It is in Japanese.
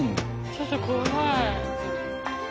ちょっと怖い。